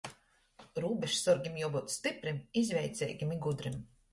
Rūbežsorgim juobyut styprim, izveiceigim i gudrim.